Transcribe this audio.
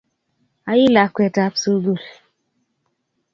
Ai lakwet tab sugul